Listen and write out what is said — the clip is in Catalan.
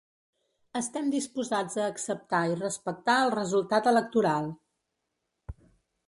Estem disposats a acceptar i respectar el resultat electoral.